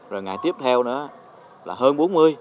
rồi ngày tiếp theo nữa là hơn bốn mươi